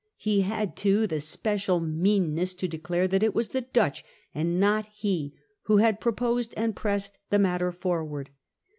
He had too the special meanness to declare that it was the Dutch and not he who had proposed and pressed the matter forwatd.